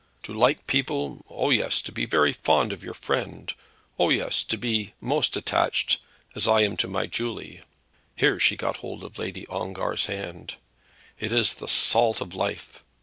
To like people, oh, yes; to be very fond of your friends, oh, yes; to be most attached, as I am to my Julie," here she got hold of Lady Ongar's hand, "it is the salt of life!